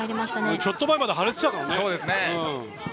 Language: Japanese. ちょっと前まで腫れてたからね。